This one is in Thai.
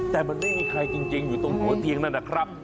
แต่มันไม่มีใครจริงอยู่ตรงหัวเตียงนั่นนะครับ